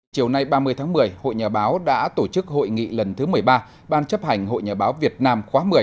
chiều nay ba mươi tháng một mươi hội nhà báo đã tổ chức hội nghị lần thứ một mươi ba ban chấp hành hội nhà báo việt nam khóa một mươi